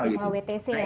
nah ini yang bahaya